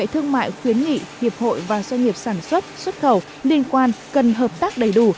thương mại khuyến nghị hiệp hội và doanh nghiệp sản xuất xuất khẩu liên quan cần hợp tác đầy đủ